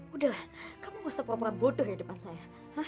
udah lah kamu gak usah berpura pura bodoh ya depan saya